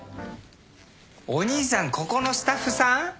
お兄さんここのスタッフさん？